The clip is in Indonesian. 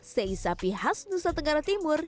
seisa pie khas nusa tenggara timur